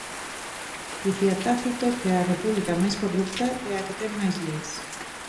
Dicía Tácito que a república máis corrupta é a que ten máis leis.